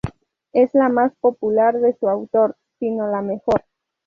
Es la más popular de su autor, si no la mejor.